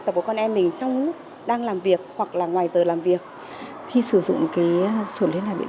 tập của con em mình trong lúc đang làm việc hoặc là ngoài giờ làm việc khi sử dụng cái sổ liên lạc điện